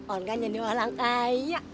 olga jadi orang kaya